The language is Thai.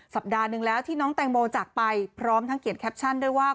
สัปดาห์หนึ่งแล้วที่น้องแตงโมจากไปพร้อมทั้งเขียนแคปชั่นด้วยว่า